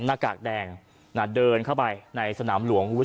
หน้ากากแดงเดินเข้าไปในสนามหลวง